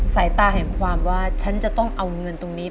สายตาแห่งความว่าฉันจะต้องเอาเงินตรงนี้